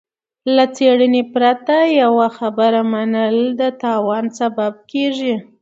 له څېړنې پرته يوه خبره منل د تاوان سبب کېږي.